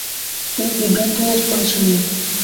তুমি বিভ্রান্ত হয়ে পড়েছো, মেয়ে।